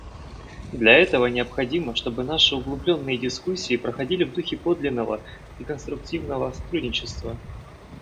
Для этого необходимо, чтобы наши углубленные дискуссии проходили в духе подлинного и конструктивного сотрудничества.